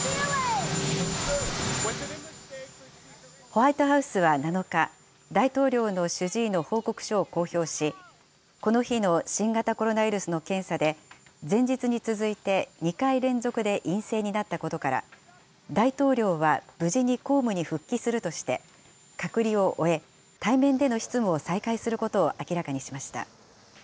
ホワイトハウスは７日、大統領の主治医の報告書を公表し、この日の新型コロナウイルスの検査で、前日に続いて２回連続で陰性になったことから、大統領は無事に公務に復帰するとして、隔離を終え、対面での執務を再開することを明らかにしました。